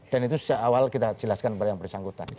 dan itu awal kita jelaskan kepada yang bersangkutan